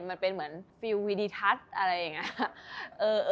มันเป็นเหมือนฟิลวีดิทัศน์อะไรอย่างนี้